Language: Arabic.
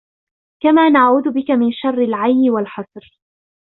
كَمَا نَعُوذُ بِك مِنْ شَرِّ الْعِيِّ وَالْحَصْرِ